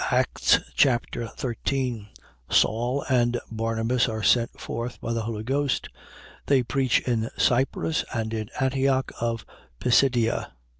Acts Chapter 13 Saul and Barnabas are sent forth by the Holy Ghost. They preach in Cyprus and in Antioch of Pisidia.